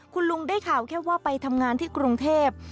คุณลุงได้ข่าวแค่ว่าไปทำงานที่กรุงเทพ